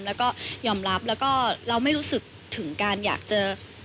แล้วก็ยอมรับแล้วก็เราไม่รู้สึกถึงการอยากจะ